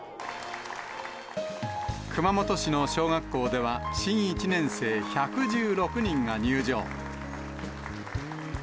熊本市の小学校では、新１年生１１６人が入場。